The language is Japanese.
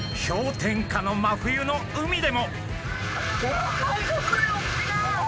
氷点下の真冬の海でも。